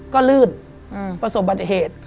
ก็ลื่นประสบบัติเหตุ